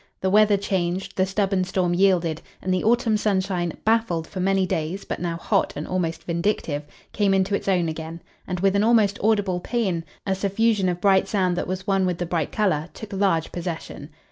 The weather changed, the stubborn storm yielded, and the autumn sunshine, baffled for many days, but now hot and almost vindictive, came into its own again and, with an almost audible paean, a suffusion of bright sound that was one with the bright colour, took large possession.